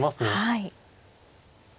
はい。